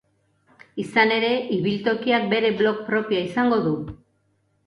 Izan ere, ibiltokiak bere blog propioa izango du.